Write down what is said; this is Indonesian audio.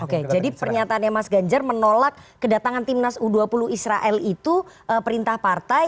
oke jadi pernyataannya mas ganjar menolak kedatangan timnas u dua puluh israel itu perintah partai